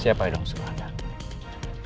siapa yang sudah suruh anda